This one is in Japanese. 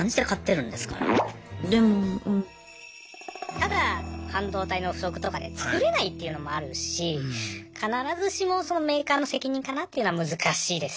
ただ半導体の不足とかで作れないっていうのもあるし必ずしもそのメーカーの責任かなっていうのは難しいですよね。